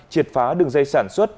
chiệt phá đường dây sản xuất